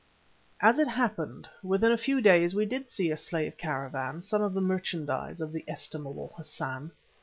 As it happened, within a few days we did see a slave caravan, some of the merchandise of the estimable Hassan.